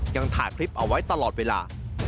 ยังถ่ายคลิปเอาไว้ตลอดเวลา